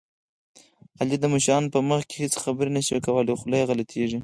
علي د مشرانو په مخ کې هېڅ خبرې نه شي کولی، خوله یې غلطېږي.